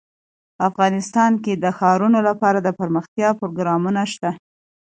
افغانستان کې د ښارونه لپاره دپرمختیا پروګرامونه شته.